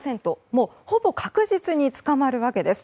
もう、ほぼ確実に捕まるわけです。